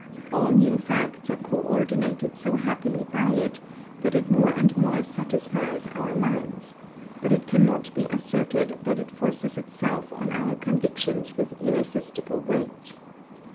All new facts are co ordinated so happily by it, that it more and more satisfies our minds; but it cannot be asserted that it forces itself on our convictions with irresistible weight.